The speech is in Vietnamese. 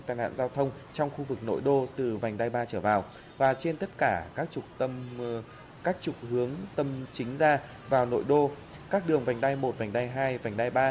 tai nạn giao thông trong khu vực nội đô từ vành đai ba trở vào và trên tất cả các trục hướng tâm chính ra vào nội đô các đường vành đai một vành đai hai vành đai ba